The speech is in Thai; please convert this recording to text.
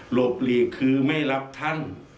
บหลีกคือไม่รับท่าน